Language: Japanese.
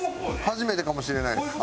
初めてかもしれないです。